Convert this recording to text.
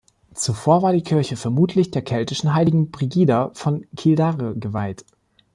Zuvor war die Kirche vermutlich der keltischen Heiligen Brigida von Kildare geweiht.